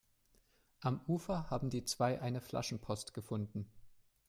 Am Ufer haben die zwei eine Flaschenpost gefunden.